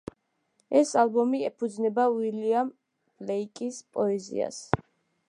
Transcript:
ეს ალბომი ეფუძნება უილიამ ბლეიკის პოეზიას.